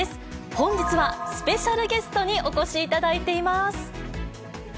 本日はスペシャルゲストにお越しいただいています。